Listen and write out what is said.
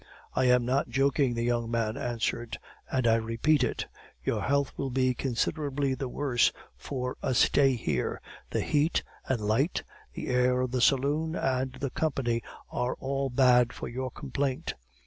"I am not joking," the young man answered; "and I repeat it: your health will be considerably the worse for a stay here; the heat and light, the air of the saloon, and the company are all bad for your complaint."